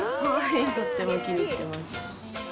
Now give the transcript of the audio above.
とっても気に入ってます。